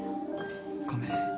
ごめん。